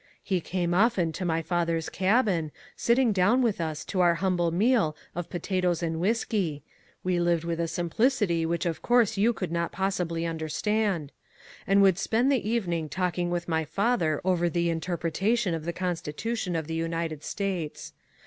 "He came often to my father's cabin, sitting down with us to our humble meal of potatoes and whiskey (we lived with a simplicity which of course you could not possibly understand), and would spend the evening talking with my father over the interpretation of the Constitution of the United States.